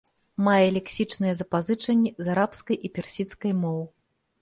Мае лексічныя запазычанні з арабскай і персідскай моў.